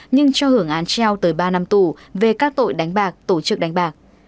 nhưng cho hưởng án treo tới ba năm tù về các tội đánh bạc tổ chức đánh bạc